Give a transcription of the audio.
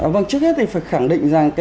vâng trước hết thì phải khẳng định rằng